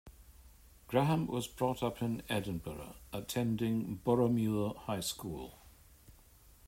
Grahame was brought up in Edinburgh, attending Boroughmuir High School.